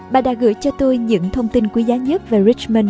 bà đã gửi cho tôi những thông tin quý giá nhất về richmond